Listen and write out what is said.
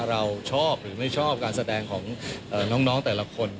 เราชอบหรือไม่ชอบการแสดงของน้องแต่ละคน